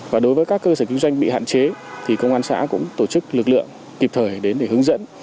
và đối với các cơ sở kinh doanh bị hạn chế thì công an xã cũng tổ chức lực lượng kịp thời đến để hướng dẫn